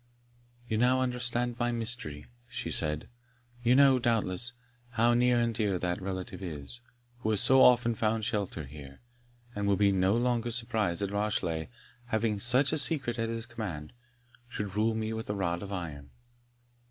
"You now understand my mystery," she said; "you know, doubtless, how near and dear that relative is, who has so often found shelter here; and will be no longer surprised that Rashleigh, having such a secret at his command, should rule me with a rod of iron."